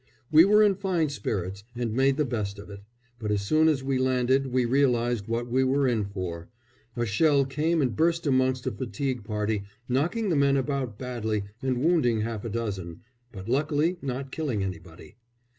We were in fine spirits and made the best of it; but as soon as we landed we realised what we were in for. A shell came and burst amongst a fatigue party, knocking the men about badly and wounding half a dozen, but luckily not killing anybody.